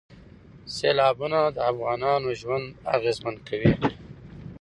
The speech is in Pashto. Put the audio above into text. سیلابونه د افغانانو ژوند اغېزمن کوي.